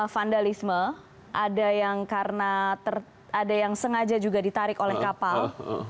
vandalisme ada yang karena ada yang sengaja juga ditarik oleh kapal